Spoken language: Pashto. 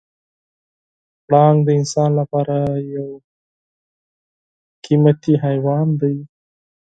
پړانګ د انسان لپاره یو قیمتي حیوان دی.